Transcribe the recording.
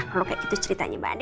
kalo kayak gitu ceritanya mbak andi